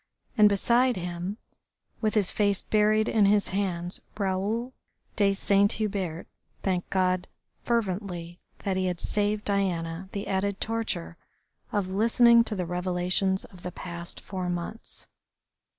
And beside him, with his face buried in his hands, Raoul de Saint Hubert thanked God fervently that he had saved Diana the added torture of listening to the revelations of the past four months.